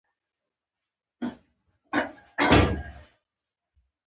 سیند کبان لري.